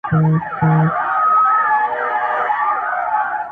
نوي هم ښه دي خو زه وامقاسم یاره.